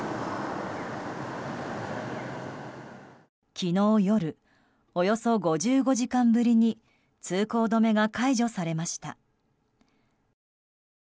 昨日夜、およそ５５時間ぶりに通行止めが解除されました。